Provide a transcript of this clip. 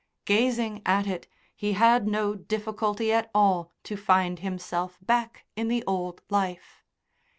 Gazing at it he had no difficulty at all to find himself back in the old life.